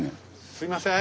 すいません！